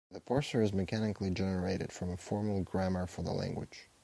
The parser is mechanically generated from a formal grammar for the language.